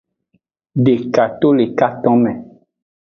Deka to le katonme.